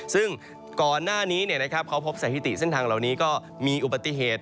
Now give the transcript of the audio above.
ซึ่งก่อนหน้านี้เขาพบสถิติเส้นทางเหล่านี้ก็มีอุบัติเหตุ